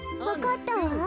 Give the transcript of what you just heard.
わかったわ。